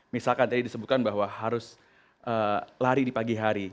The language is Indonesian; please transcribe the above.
misalkan tadi disebutkan bahwa harus lari di pagi hari